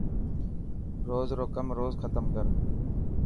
روز رو ڪم روز ختم ڪر.